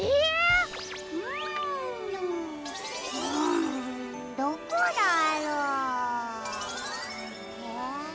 んどこだろう？え？